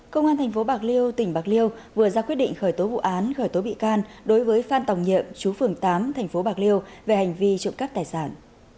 công an tp bạc liêu tỉnh bạc liêu vừa ra quyết định khởi tố vụ án khởi tố bị can đối với phan tòng nhậm chú phường tám tp bạc liêu về hành vi trộm cắp tài sản